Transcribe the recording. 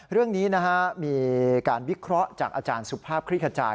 เรื่องนี้มีการวิเคราะห์จากอาจารย์สุภาพคลิกขจาย